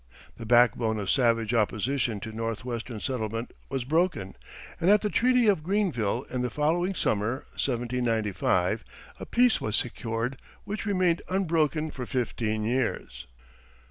The backbone of savage opposition to Northwestern settlement was broken, and at the treaty of Greenville in the following summer (1795) a peace was secured which remained unbroken for fifteen years.